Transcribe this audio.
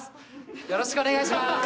よろしくお願いします！